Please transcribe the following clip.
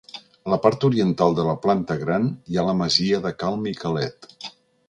A la part oriental de la Planta Gran hi ha la masia de Cal Miquelet.